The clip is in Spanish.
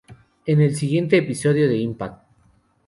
En el siguiente episodio de "Impact!